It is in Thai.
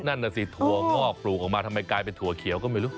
นั่นน่ะสิถั่วงอกปลูกออกมาทำไมกลายเป็นถั่วเขียวก็ไม่รู้